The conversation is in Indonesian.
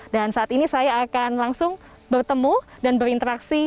dan saat ini saya akan langsung bertemu dan berinteraksi